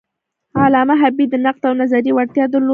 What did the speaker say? علامه حبیبي د نقد او نظریې وړتیا درلوده.